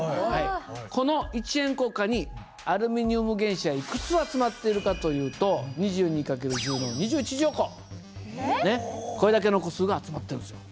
この１円硬貨にアルミニウム原子はいくつ集まってるかというとこれだけの個数が集まってるんですよ。